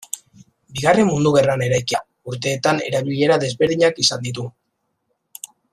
Bigarren Mundu Gerran eraikia, urteetan erabilera desberdinak izan ditu.